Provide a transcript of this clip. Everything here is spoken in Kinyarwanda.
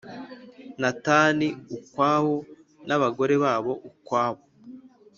Natani ukwawo n abagore babo ukwabo